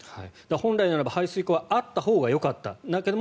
本来ならば排水溝はあったほうがよかったけども。